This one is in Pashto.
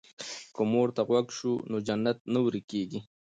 که مور ته غوږ شو نو جنت نه ورکيږي.